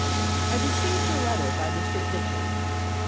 "I received your letter by Mr. Pintard.